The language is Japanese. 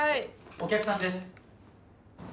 お客さんです。